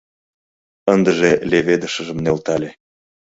Ындыже леведышыжым нӧлтале.